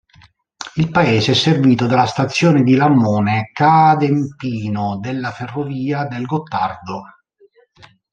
Il paese è servito dalla stazione di Lamone-Cadempino della ferrovia del Gottardo.